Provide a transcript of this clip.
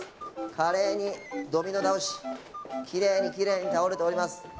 華麗にドミノ倒しキレイにキレイに倒れております